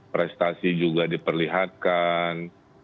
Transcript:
prestasi juga diperlihatkan